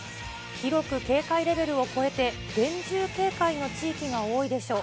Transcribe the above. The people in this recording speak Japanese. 広く警戒レベルを超えて、厳重警戒の地域が多いでしょう。